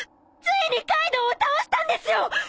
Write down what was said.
ついにカイドウを倒したんですよ！